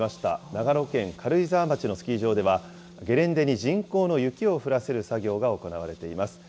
長野県軽井沢町のスキー場では、ゲレンデに人工の雪を降らせる作業が行われています。